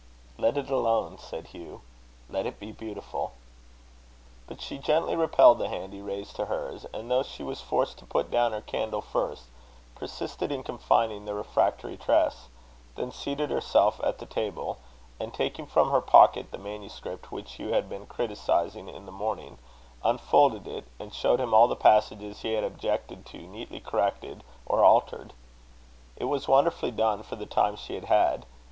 "Let it alone," said Hugh, "let it be beautiful." But she gently repelled the hand he raised to hers, and, though she was forced to put down her candle first, persisted in confining the refractory tress; then seated herself at the table, and taking from her pocket the manuscript which Hugh had been criticising in the morning, unfolded it, and showed him all the passages he had objected to, neatly corrected or altered. It was wonderfully done for the time she had had.